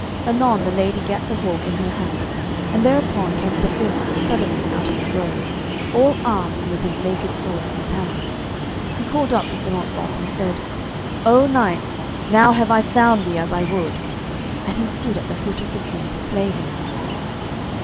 Anon the lady gat the hawk in her hand, and thereupon came Sir Phelot suddenly out of the grove, all armed and with his naked sword in his hand. He called up to Sir Launcelot and said, "O knight, now have I found thee as I would"; and he stood at the foot of the tree to slay him.